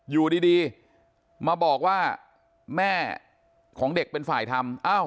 อยู่ดีมาบอกว่าแม่ของเด็กเป็นฝ่ายทำ